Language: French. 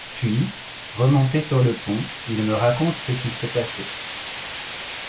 Puis, remonté sur le pont, il me raconte ce qui s’est passé.